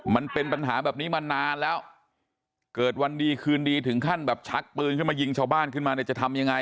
มันเป็นปัญหาแบบนี้มานานแล้วเกิดวันดีคืนดีถึงขั้นแบบชักปืนขึ้นมายิงชาวบ้านขึ้นมาเนี่ยจะทำยังไง